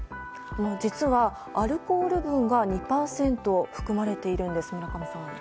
実はアルコール分が２％含まれているんです、村上さん。